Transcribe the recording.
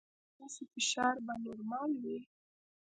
ایا ستاسو فشار به نورمال وي؟